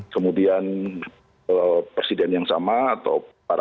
kemudian presiden yang sama atau para